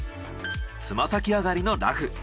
つま先上がりのラフ。